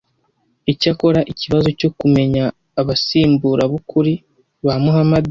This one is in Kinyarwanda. Icyakora ikibazo cyo kumenya abasimbura b’ukuri ba Muhamadi